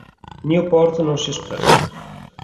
Newport non si espresse.